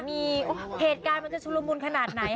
มีเหตุการณ์มันจะชุลมุนขนาดไหน